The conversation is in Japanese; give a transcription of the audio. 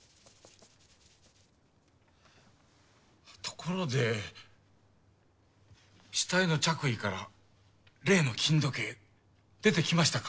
ところで死体の着衣から例の金時計出てきましたか？